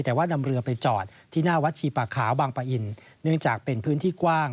แต่ว่านำเรือไปจอดที่หน้าวัดชีปะขาวบางปะอินเนื่องจากเป็นพื้นที่กว้าง